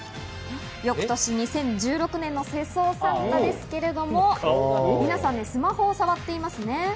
翌年、２０１６年の世相サンタですけれど、皆さん、スマホを触っていますね。